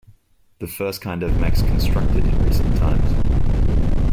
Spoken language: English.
The first kind of mechs constructed in recent times.